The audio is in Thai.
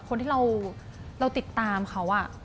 คนที่เราติดตามเขา